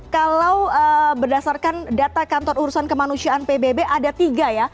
kalau berdasarkan data kantor urusan kemanusiaan pbb ada tiga ya